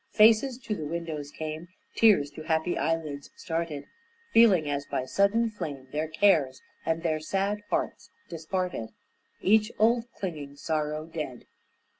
Faces to the windows came, Tears to happy eyelids started, Feeling, as by sudden flame, Their cares and their sad hearts disparted, Each old clinging sorrow dead.